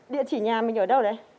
địa chỉ nhà mình ở đâu đấy